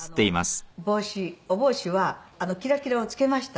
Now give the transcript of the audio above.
お帽子はキラキラを付けました。